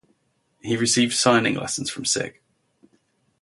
He received singing lessons from Sig.